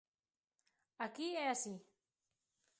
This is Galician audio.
Aquí é así.